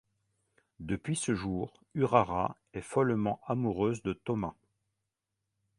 Depuis ce jour, Urara est follement amoureuse de Toma.